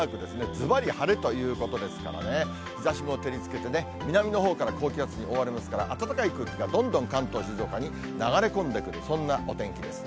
ずばり晴れということですからね、日ざしも照りつけて、南のほうから高気圧に覆われますから、暖かい空気がどんどん関東、静岡に流れ込んでくる、そんなお天気です。